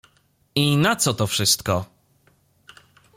"I na co to wszystko?"